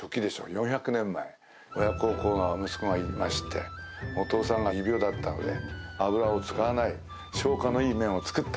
４００年前親孝行な息子がいましてお父さんが胃病だったので油を使わない消化のいい麺を作った。